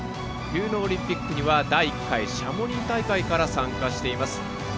冬のオリンピックには第１回シャモニー大会から参加しています。